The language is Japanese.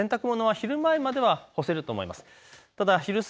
洗濯物は昼前までは干せると思います。